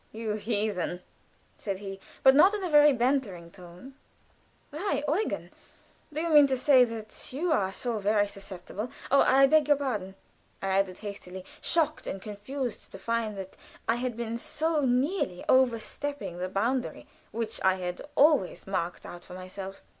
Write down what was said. "You heathen!" said he, but not in a very bantering tone. "Why, Eugen, do you mean to say that you are so very susceptible? Oh, I beg your pardon," I added, hastily, shocked and confused to find that I had been so nearly overstepping the boundary which I had always marked out for myself.